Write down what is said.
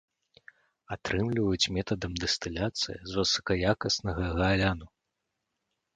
Атрымліваюць метадам дыстыляцыі з высакаякаснага гааляну.